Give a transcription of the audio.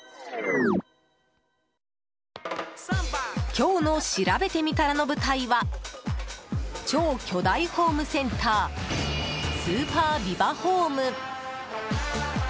今日のしらべてみたらの舞台は超巨大ホームセンタースーパービバホーム。